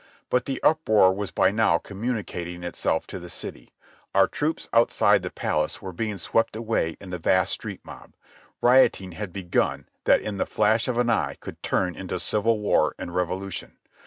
But the uproar was by now communicating itself to the city. Our troops outside the palace were being swept away in the vast street mob. Rioting had begun that in the flash of an eye could turn into civil war and revolution.